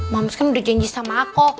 mamas kan udah janji sama aku